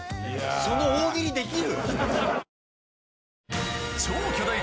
その大喜利できる？